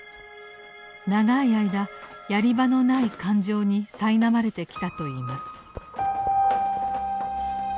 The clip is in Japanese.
長い間やり場のない感情にさいなまれてきたといいます。